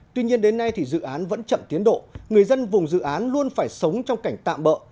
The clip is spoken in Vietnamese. tuy nhiên đến nay thì dự án vẫn chậm tiến độ người dân vùng dự án luôn phải sống trong cảnh tạm bỡ